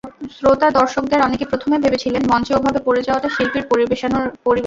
শ্রোতা-দর্শকদের অনেকে প্রথমে ভেবেছিলেন, মঞ্চে ওভাবে পড়ে যাওয়াটা শিল্পীর পরিবেশনারই অংশ।